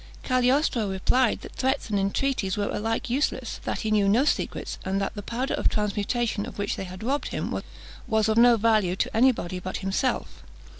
Cagliostro replied, that threats and entreaties were alike useless; that he knew no secrets; and that the powder of transmutation of which they had robbed him, was of no value to any body but himself.